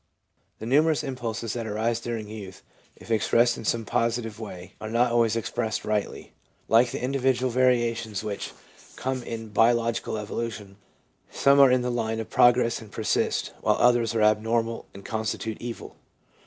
The numerous impulses that arise during youth, if expressed in some positive way, are not always ex pressed rightly. Like the individual variations which 258 THE PSYCHOLOGY OF RELIGION come in biological evolution, some are in the line of progress and persist, while others are abnormal and con stitute evil.